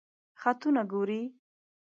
خطونه ګوری؟